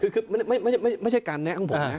คือไม่ใช่การแนะของผมนะ